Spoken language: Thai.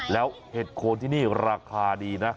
แล้วเห็ดโคนที่นี่ราคาดีนะ